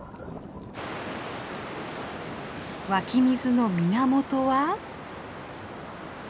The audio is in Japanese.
湧き水の源は。